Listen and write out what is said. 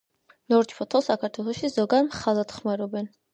ნორჩ ფოთოლს საქართველოში ზოგან მხალად ხმარობენ.